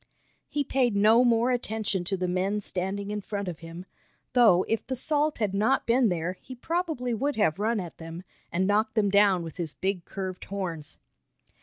He paid no more attention to the men standing in front of him, though if the salt had not been there he probably would have run at them, and knocked them down with his big curved horns.